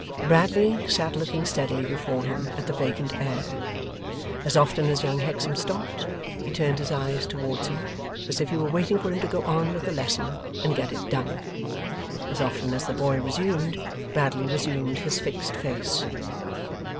Bradley sat looking steadily before him at the vacant air. As often as young Hexam stopped, he turned his eyes towards him, as if he were waiting for him to go on with the lesson, and get it done. As often as the boy resumed, Bradley resumed his fixed face.